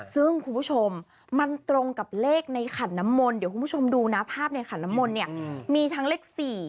ซึ่งคุณผู้ชมมันตรงกับเลขในขันน้ำมนต์เดี๋ยวคุณผู้ชมดูนะภาพในขันน้ำมนต์เนี่ยมีทั้งเลข๔